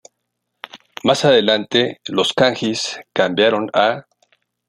Más adelante los kanjis cambiaron a 蝦夷.